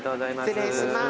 失礼します。